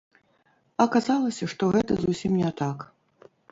Аказалася, што гэта зусім не так.